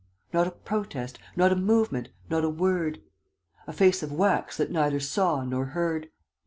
Not a protest, not a movement, not a word. A face of wax that neither saw nor heard.